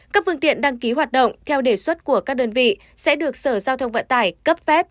các phương tiện đăng ký hoạt động theo đề xuất của các đơn vị sẽ được sở giao thông vận tải cấp phép